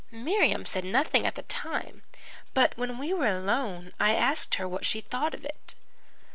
Miriam said nothing at the time, but when we were alone I asked her what she thought of it.